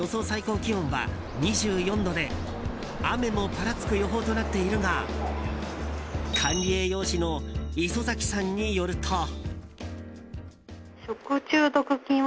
最高気温は２４度で雨もぱらつく予報となっているが管理栄養士の磯崎さんによると。